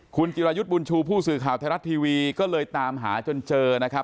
คุณจิรายุทธ์บุญชูผู้สื่อข่าวไทยรัฐทีวีก็เลยตามหาจนเจอนะครับ